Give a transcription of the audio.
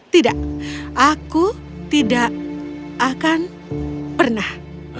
tidak aku tidak akan pernah